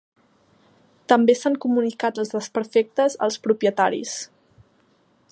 També s’han comunicat els desperfectes als propietaris.